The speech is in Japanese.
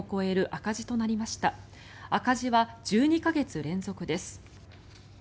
赤字は１２か月連続です。